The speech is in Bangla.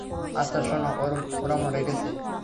আচ্ছা শোনো, ওরা মরে গেছে।